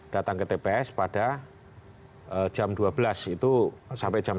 datang ke tps pada jam dua belas itu sampai jam dua belas